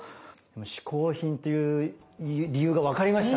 嗜好品っていう理由がわかりましたね。